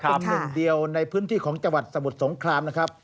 เป็นหนึ่งเดียวในพื้นที่ของจังหวัดสมุทรสงครามนะครับ